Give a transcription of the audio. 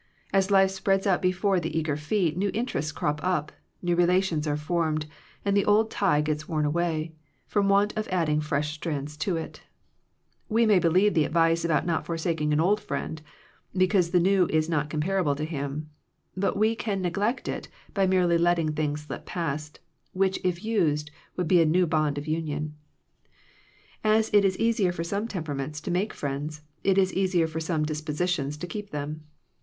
As life spreads out before the eager feet, new interests crop up, new relations are formed, and the old tie gets worn away, from want of adding fresh strands to it We may believe the advice about not for saking an old friend because the new is not comparable to him, but we can neg lect it by merely letting things slip past, which if used would be a new bond of union. As it is easier for some temperaments to make friends, it is easier for some dis positions to keep them.